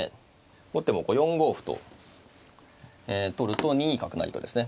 後手もこう４五歩と取ると２二角成とですね